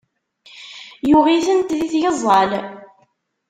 Yuɣ-itent di tgeẓẓal.